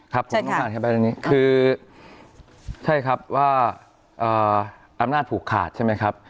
ครับผมต้องอธิบายตรงนี้คือใช่ครับว่าอำนาจผูกขาดใช่ไหมครับ